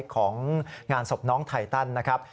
ของงานศพน้องไทตันนะครับ